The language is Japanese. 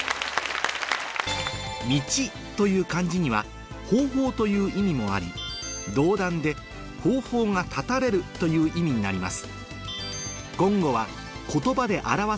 「道」という漢字には「方法」という意味もありという意味になりますという意味になります